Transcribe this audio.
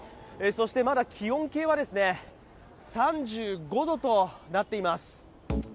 そしてまだ気温計は３５度となっています。